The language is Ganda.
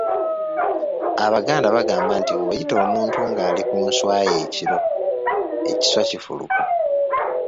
"Abaganda bagamba nti bw’oyita omuntu ng’ali ku nswa ye ekiro, ekiswa kifuluka."